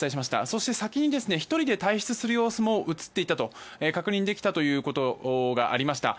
そして先に１人で退室する様子も映っていたと確認できたということがありました。